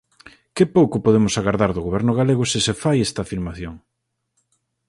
¡Que pouco podemos agardar do Goberno galego se se fai esta afirmación!